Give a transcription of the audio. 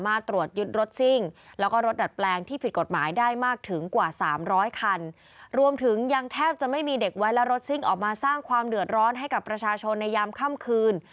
มีเด็กแว้นและรถซิ่งออกมาสร้างความเดือดร้อนให้กับประชาชนในยามค่ำคืน